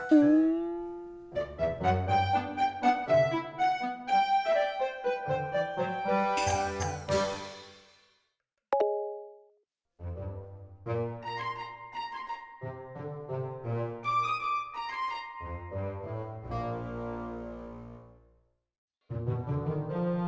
mbak surti kamu sudah berhasil